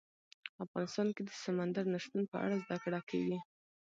افغانستان کې د سمندر نه شتون په اړه زده کړه کېږي.